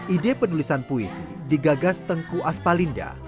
ide penulisan puisi digagas tengku aspalinda